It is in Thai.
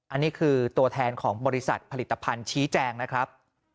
อันนี้คือตัวแทนของบริษัทผลิตภัณฑ์ชี้แจงนะครับ